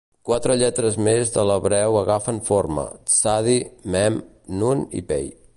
Quatre lletres més de l"hebreu agafen forma: tsadi, mem, nun i pei.